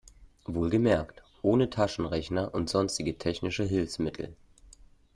Wohlgemerkt ohne Taschenrechner und sonstige technische Hilfsmittel.